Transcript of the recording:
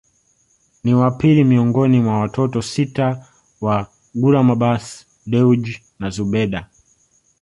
Ni wa pili miongoni mwa watoto sita wa Gulamabbas Dewji na Zubeda